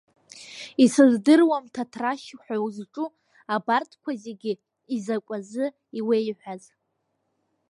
Исыздыруам Ҭаҭрашь ҳәа узҿу абарҭқәа зегьы изакәазы иуеиҳәаз!